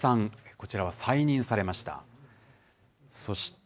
こちらは再任されました。